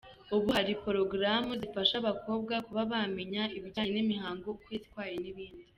Ubu hari ’porogaramu’ zifasha abakobwa kuba bamenya ibijyanye n’imihango, ukwezi kwayo n’ibindi.